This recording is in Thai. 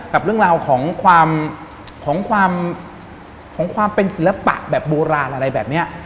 กับเรื่องราวของความเป็นศิลปะโบราณอะไรแบบนี้